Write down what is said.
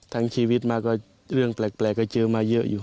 ทั้งชีวิตมาก็เรื่องแปลกก็เจอมาเยอะอยู่